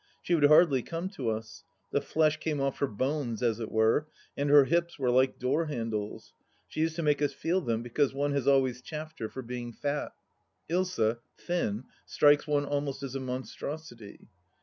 She would hardly come to us. The flesh came off her bones, as it were, and her hips were like door handles. She used to make us feel them, because one has always chaffed her for being fat. Ilsa, thin, strikes one almost as a monstrosity.